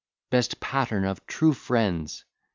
Best pattern of true friends!